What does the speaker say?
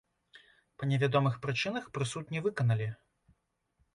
Па невядомых прычынах прысуд не выканалі.